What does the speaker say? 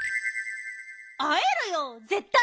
あえるよぜったい！